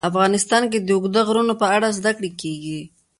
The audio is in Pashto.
افغانستان کې د اوږده غرونه په اړه زده کړه کېږي.